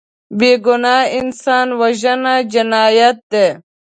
بېګناه انسان وژنه جنایت دی